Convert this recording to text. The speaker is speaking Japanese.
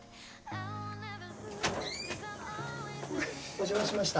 お邪魔しました。